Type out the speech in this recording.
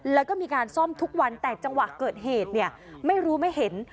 แล้วก็มีการซ่อมทุกวันแต่จังหวะเกิดเหตุเนี่ยไม่รู้ไม่เห็น